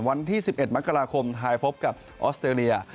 วันที่๑๑มกราคมไทยพบกับออสเตรเลีย